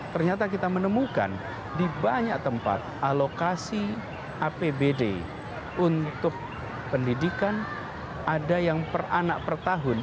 ternyata kita menemukan di banyak tempat alokasi apbd untuk pendidikan ada yang per anak per tahun